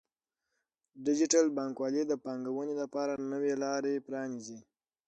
ډیجیټل بانکوالي د پانګونې لپاره نوې لارې پرانیزي.